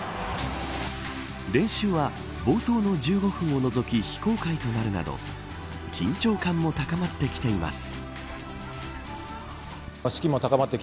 練習は冒頭の１５分を除き非公開となるなど緊張感も高まってきています。